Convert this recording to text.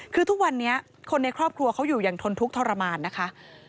คือทุกวันนี้คนในครอบครัวเขาอยู่อย่างทนทุกข์ทรมานนะคะ